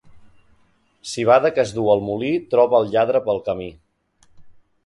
Civada que es duu al molí troba el lladre pel camí.